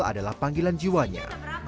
adalah panggilan jiwanya